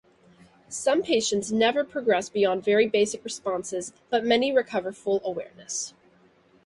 Some patients never progress beyond very basic responses, but many recover full awareness.